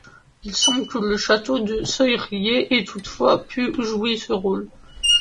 Il semble que le château de Soyrier ait toutefois pu jouer ce rôle.